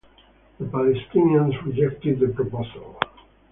The Palestinians rejected the proposal.